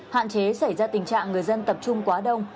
hạn chế xảy ra tình trạng người dân tập trung quá đông